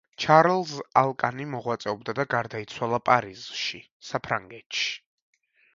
ჩარლზ ალკანი მოღვაწეობდა და გარდაიცვალა პარიზში, საფრანგეთში.